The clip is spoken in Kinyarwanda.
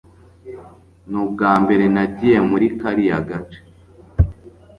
nubwa mbere nagiye muri kariya gace